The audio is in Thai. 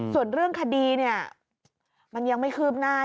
ส่วนเรื่องคดีเนี่ยมันยังไม่คืบหน้า